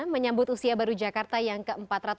menyambut usia baru jakarta yang ke empat ratus sembilan puluh